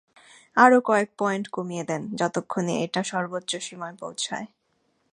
আরও কয়েক পয়েন্ট কমিয়ে দেয়, যতক্ষণে এটা সর্বোচ্চ সীমায় পৌঁছায়।